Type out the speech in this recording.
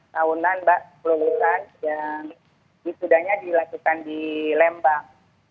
delapan tahunan mbak sepuluh bulan yang disudahnya dilakukan di lembang